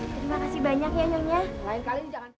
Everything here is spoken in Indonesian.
terima kasih banyak ya nyonya